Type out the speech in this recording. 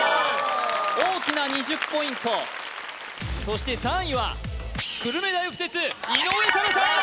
大きな２０ポイントそして３位は久留米大附設井上更紗